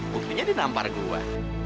buktinya dinampar gua